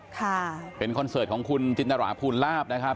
ค่ะเป็นคอนเสิร์ตของคุณจินตราภูลาภนะครับ